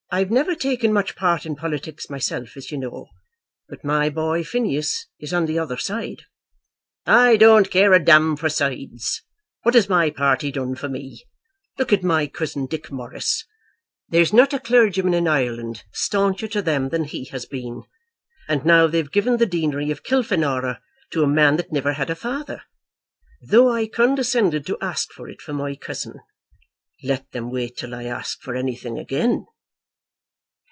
"I've never taken much part in politics myself, as you know; but my boy Phineas is on the other side." "I don't care a for sides. What has my party done for me? Look at my cousin, Dick Morris. There's not a clergyman in Ireland stauncher to them than he has been, and now they've given the deanery of Kilfenora to a man that never had a father, though I condescended to ask for it for my cousin. Let them wait till I ask for anything again."